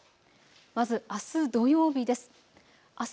まず、あす土曜日です。